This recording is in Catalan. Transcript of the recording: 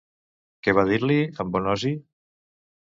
Què va dir-li en Bonosi?